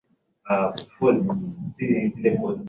Ni wewe twakuinua na si wao.